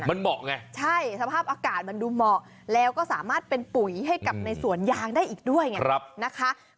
มันเหมาะไงใช่สภาพอากาศมันดูเหมาะแล้วก็สามารถเป็นปุ๋ยให้กับในสวนยางได้อีกด้วยไงนะคะ